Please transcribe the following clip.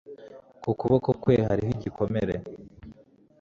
Ku kuboko kwe hariho igikomere